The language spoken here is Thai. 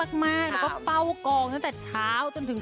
กับเพลงที่มีชื่อว่ากี่รอบก็ได้